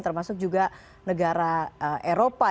termasuk juga negara eropa